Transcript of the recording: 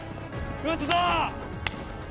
撃つぞ！